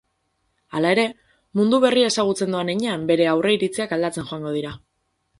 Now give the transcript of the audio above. Hala ere, mundu berria ezagutzen doan heinean bere aurreiritziak aldatzen joango dira.